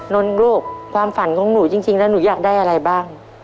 นนลูกความฝันของหนูจริงแล้วหนูอยากได้อะไรบ้าง